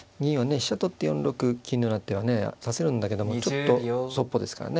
飛車取って４六金となってはね指せるんだけどもちょっとそっぽですからね。